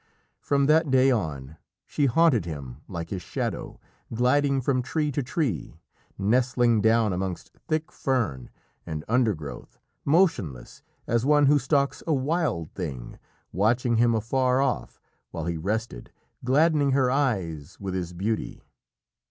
From that day on, she haunted him like his shadow, gliding from tree to tree, nestling down amongst thick fern and undergrowth, motionless as one who stalks a wild thing, watching him afar off while he rested, gladdening her eyes with his beauty.